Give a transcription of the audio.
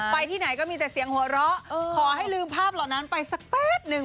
ที่ไหนก็มีแต่เสียงหัวเราะขอให้ลืมภาพเหล่านั้นไปสักแป๊บหนึ่ง